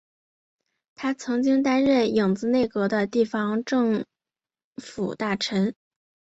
他曾经担任影子内阁的地方政府大臣。